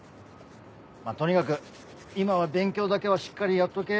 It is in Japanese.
まぁとにかく今は勉強だけはしっかりやっとけ。